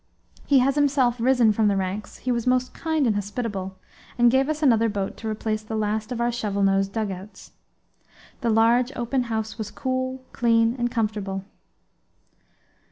He has himself risen from the ranks. He was most kind and hospitable, and gave us another boat to replace the last of our shovel nosed dugouts. The large, open house was cool, clean, and comfortable.